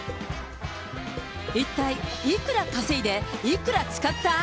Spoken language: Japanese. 一体、いくら稼いで、いくら使った？